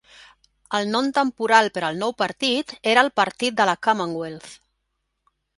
El nom temporal per al nou partit era el Partit de la Commonwealth.